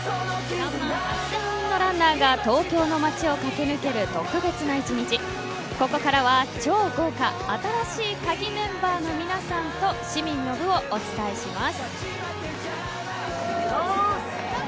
３万８０００人のランナーが東京の街を駆け抜ける特別な１日ここからは超豪華新しいカギメンバーの皆さんと市民の部をお伝えします。